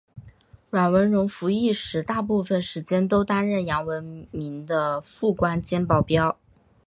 阮文戎服役时大部分时间都担任杨文明的副官兼保镖。